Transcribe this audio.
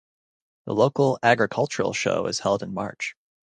The local agricultural show is held in March.